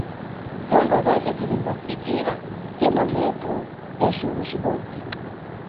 Ntsonga zace zinimbapitira mphimo metru ya culu cibodzi.